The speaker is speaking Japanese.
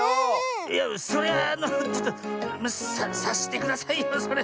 いやそれはあのちょっとさっしてくださいよそれ。